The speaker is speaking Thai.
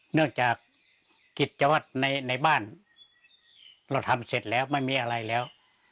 เนื่องจากกิจวัตรในบ้านเราทำเสร็จแล้วไม่มีอะไรแล้ว